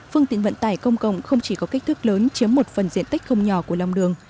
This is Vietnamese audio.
phương tiện vận tải công cộng không chỉ có kích thước lớn chiếm một phần diện tích không nhỏ của lòng đường